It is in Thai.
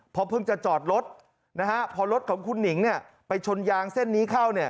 พอเพิ่งจะจอดรถนะฮะพอรถของคุณหนิงไปชนยางเส้นนี้เข้าเนี่ย